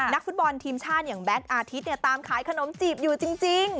นักฟุตบอลทีมชาติอย่างแบทอาทิตย์เนี่ยตามขายขนมจีบอยู่จริง